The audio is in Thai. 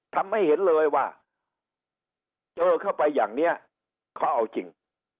ทำให้เห็นเลยว่าเจอเข้าไปอย่างนี้เขาเอาจริง